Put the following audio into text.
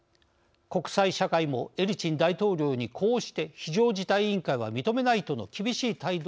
国際社会もエリツィン大統領に呼応して非常事態委員会は認めないとの厳しい態度を明らかにしました。